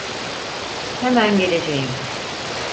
Hemen geleceğim.